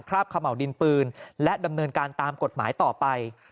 ขม่าวดินปืนและดำเนินการตามกฎหมายต่อไป